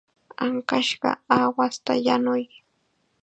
Ankashqa aawasta yanuy.